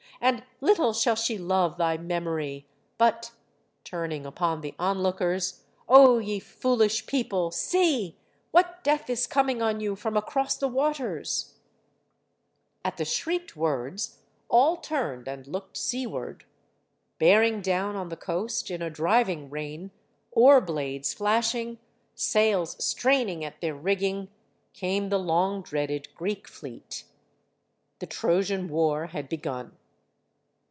And little shall she love thy memory! But" turning upon the onlookers "O ye foolish people see! What death is coming on you from across the waters?" HELEN OF TROY 79 At the shrieked words, all turned and looked sea ward. Bearing down on the coast, in a driving rain, oar blades flashing, sails straining at their rigging, came the long dreaded Greek fleet. The Trojan war had begun.